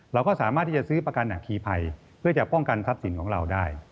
เราก็สามารถที่จะซื้อประกันอัคคีภัยเพื่อจะป้องกันทรัพย์สินของเราได้